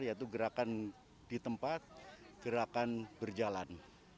yaitu gerakan di tempat gerakan berjalan